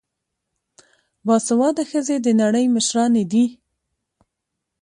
باسواده ښځې د نړۍ مشرانې دي.